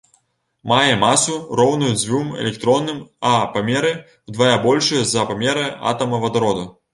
Мае масу, роўную дзвюм электронным, а памеры ўдвая большыя за памеры атама вадароду.